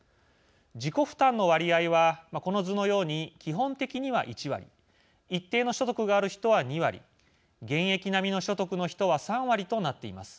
自己負担の割合はこの図のように基本的には１割一定の所得がある人は２割現役並みの所得の人は３割となっています。